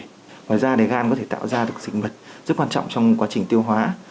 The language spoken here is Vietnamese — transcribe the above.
ngoài ra gan có thể tạo ra được dịch mật rất quan trọng trong quá trình tiêu hóa